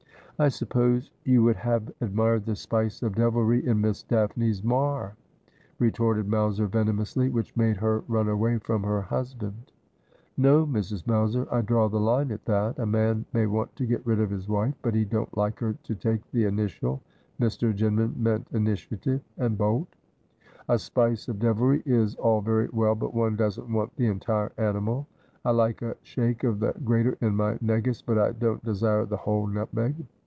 ' I suppose you would have admired the spice of devilry in Miss Daphne's mar,' retorted Mowser venomously, ' which made her run away from her husband.' ' No, Mrs. Mowser ; I draw the line at that. A man may want to get rid of his wife, but he don't like her to take the initial' — Mr. Jinman meant initiative —' and bolt. A spice of devilry is all very well, but one doesn't want the entire animal. I like a shake of the grater in my negus, but I don't desire the whole nutmeg.